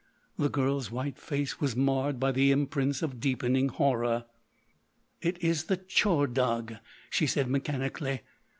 The girl's white face was marred by the imprints of deepening horror. "It is the Tchor Dagh," she said mechanically.